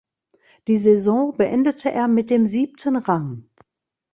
Die Saison beendete er mit dem siebten Rang.